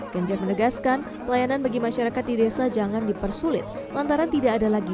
ganjar menegaskan pelayanan bagi masyarakat di desa jangan dipersulit lantaran tidak ada lagi